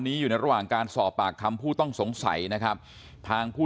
อยู่ในระหว่างการสอบปากคำผู้ต้องสงสัยนะครับทางผู้